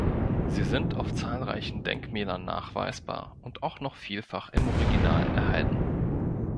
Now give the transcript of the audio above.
Sie sind auf zahlreichen Denkmälern nachweisbar und auch noch vielfach im Original erhalten.